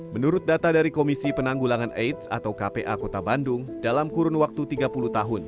menurut data dari komisi penanggulangan aids atau kpa kota bandung dalam kurun waktu tiga puluh tahun